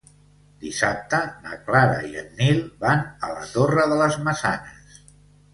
Dissabte na Clara i en Nil van a la Torre de les Maçanes.